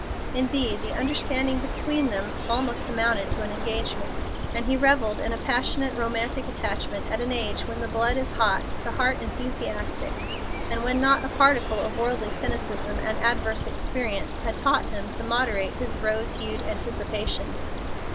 Indeed the understanding between them almost amounted to an engagement, and he revelled in a passionate, romantic attachment at an age when the blood is hot, the heart enthusiastic, and when not a particle of worldly cynicism and adverse experience had taught him to moderate his rose hued anticipations.